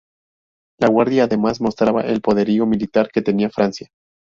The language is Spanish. La Guardia además mostraba el poderío militar que tenía Francia.